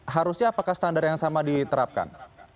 harusnya apakah standar yang sama diterapkan